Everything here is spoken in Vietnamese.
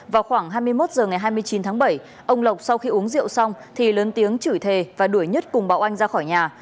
vào khoảng hai mươi một h ngày hai mươi chín tháng bảy ông lộc sau khi uống rượu xong thì lớn tiếng chửi thề và đuổi nhất cùng bảo anh ra khỏi nhà